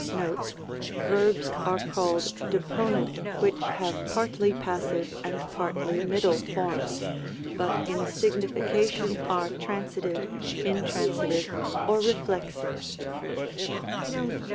Noie. Verbs are called Deponent which have partly passive and partly middle forms, but in signification are Transitive, Intransitive, or Eeflezive.